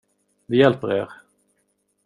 Vi hjälper er.